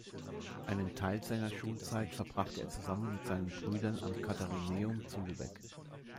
Einen Teil seiner Schulzeit verbrachte er zusammen mit seinen Brüdern am Katharineum zu Lübeck.